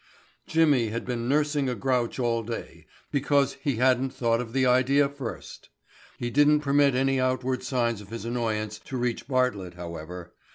Jimmy had been nursing a grouch all day because he hadn't thought of the idea first. He didn't permit any outward signs of his annoyance to reach Bartlett, however.